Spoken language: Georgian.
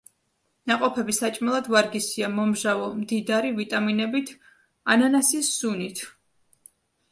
ნაყოფები საჭმელად ვარგისია, მომჟავო, მდიდარი ვიტამინებით ანანასის სუნით.